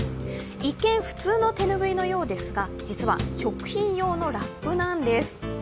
一見、普通の手拭いのようですが実は食品用のラップなんです。